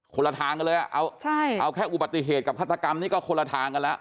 คนละทางกันเลยอ่ะเอาแค่อุบัติเหตุกับฆาตกรรมนี่ก็คนละทางกันแล้ว